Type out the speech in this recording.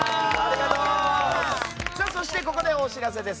そしてここでお知らせです。